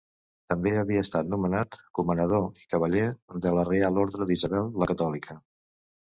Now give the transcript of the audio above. També havia estat nomenat comanador i cavaller de la Reial Orde d'Isabel la Catòlica.